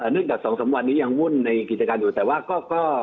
จาก๒๓วันนี้ยังวุ่นในกิจการอยู่แต่ว่าก็